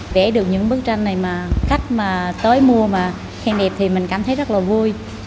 vẽ được những bức tranh này mà khách mà tới mua mà khen đẹp thì mình cảm thấy rất là vui